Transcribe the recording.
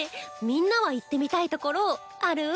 みんなは行ってみたい所ある？